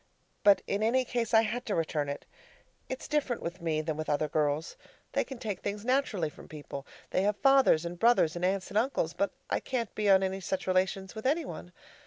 But in any case, I had to return it. It's different with me than with other girls. They can take things naturally from people. They have fathers and brothers and aunts and uncles; but I can't be on any such relations with any one.